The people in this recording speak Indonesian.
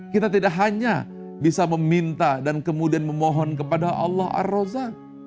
kita tidak hanya bisa meminta dan kemudian memohon kepada allah ar roza